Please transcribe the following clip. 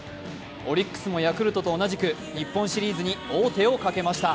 オリックスもヤクルトと同じく、日本シリーズに王手をかけました。